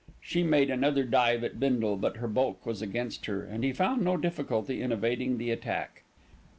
She made another dive at Bindle; but her bulk was against her, and he found no difficulty in evading the attack.